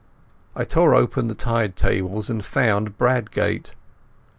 I tore open the Tide Tables and found Bradgate.